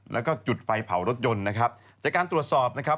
แล้วก็จุดไฟเผารถยนต์นะครับจากการตรวจสอบนะครับ